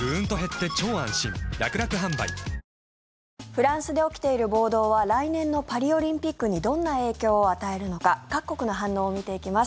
フランスで起きている暴動は来年のパリオリンピックにどんな影響を与えるのか各国の反応を見ていきます。